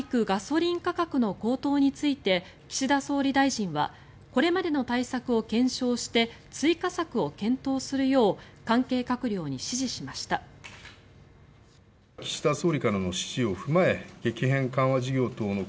ガソリン価格の高騰について岸田総理大臣はこれまでの対策を検証して追加策を検討するよう関係閣僚に指示しました。